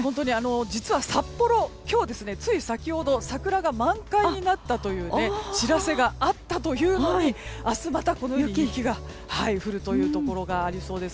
実は札幌、今日つい先ほど桜が満開になったという知らせがあったというのに明日また雪が降るというところがありそうです。